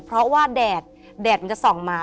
เพราะว่าแดดแดดมันจะส่องมา